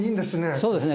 そうですね